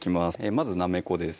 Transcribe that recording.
まずなめこです